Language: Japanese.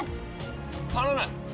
頼む！